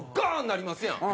なりますやん。